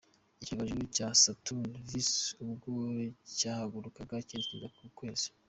Icyogajuru cya Saturn V ubwo cyahagurukaga cyerekeje ku Kwezi.